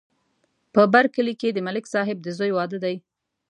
په بر کلي کې د ملک صاحب د زوی واده دی.